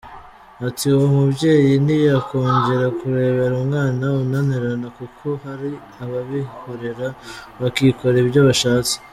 Ati « uwo mubyeyi ntiyakongera kurebera umwana unanirana, kuko hari ababihorera bakikora ibyo bashatse ».